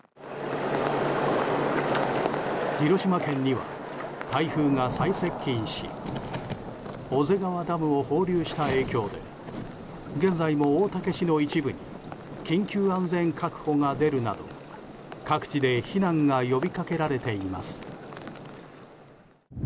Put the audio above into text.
広島県には台風が最接近し小瀬川ダムを放流した影響で現在も大竹市の一部に緊急安全確保が出るなど各地で避難が呼びかけられています。